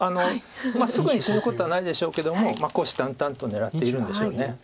すぐに死ぬことはないでしょうけども虎視眈々と狙っているんでしょう。